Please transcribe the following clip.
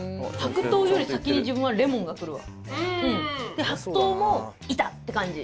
で白桃もいたって感じ。